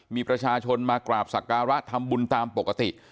มีประชาชนมากราบสักการะทำบุญตามปกติ